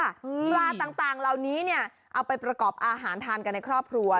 ปลาต่างเหล่านี้เนี่ยเอาไปประกอบอาหารทานกันในครอบครัว